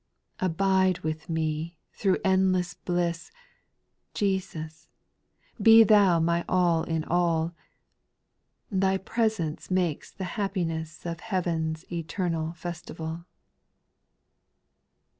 " Abide with me " through endless bliss ; Jesus, be Thou my " All in all ;" Thy presence makes the happiness Of heaven's eternal festival.